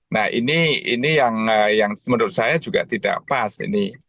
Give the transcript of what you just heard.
nah ini yang menurut saya juga tidak pas ini